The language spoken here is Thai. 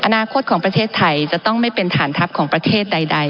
อนาคตของประเทศไทยจะต้องไม่เป็นฐานทัพของประเทศใด